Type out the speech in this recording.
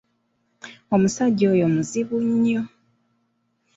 Omusajja oyo muzibu nnyo!